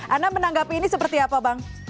anda menanggapi ini seperti apa bang